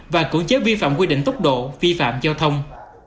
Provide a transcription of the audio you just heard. và cưỡng chế vi phạm quy định tốc độ phi phạm giao thông